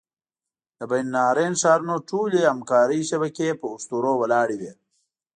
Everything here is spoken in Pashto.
د بین النهرین ښارونو ټولې همکارۍ شبکې په اسطورو ولاړې وې.